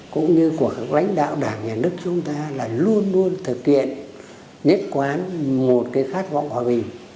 cũng như của các lãnh đạo đảng nhà nước chúng ta là luôn luôn thực hiện nhất quán một cái khát vọng hòa bình